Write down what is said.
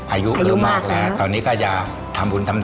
อายุเยอะมากแล้วตอนนี้ก็จะทำบุญทำทาน